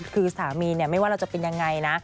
คือสามีไม่ว่าเราจะเป็นยังไงนะ